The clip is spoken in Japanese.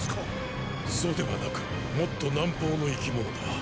楚ではなくもっと南方の生き物だ。